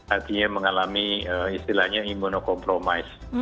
artinya mengalami istilahnya immunocompromise